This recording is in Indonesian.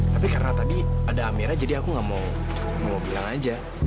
tapi karena tadi ada amera jadi aku nggak mau bilang aja